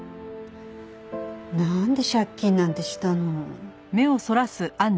なんで借金なんてしたの？